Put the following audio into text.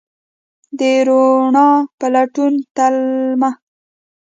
د روڼا په لټون تلمه